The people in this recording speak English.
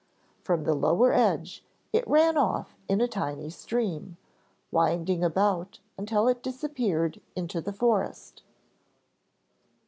From the lower edge it ran off in a tiny stream, winding about until it disappeared into the forest.